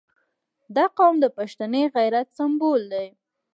• دا قوم د پښتني غیرت سمبول دی.